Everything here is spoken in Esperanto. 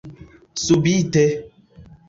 subite